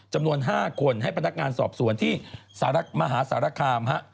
จำนวน๕คนให้พนักงานสอบสวนที่มหาสารคาม